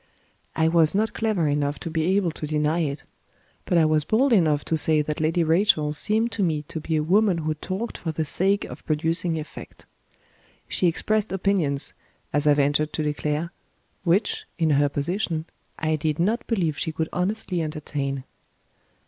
I was not clever enough to be able to deny it. But I was bold enough to say that Lady Rachel seemed to me to be a woman who talked for the sake of producing effect. She expressed opinions, as I ventured to declare, which (in her position) I did not believe she could honestly entertain.